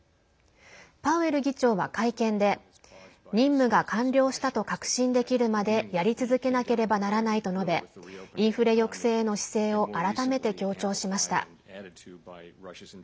パウエル議長は会見で任務が完了したと確信できるまでやり続けなければならないと述べインフレ抑制への姿勢を改めて強調しました。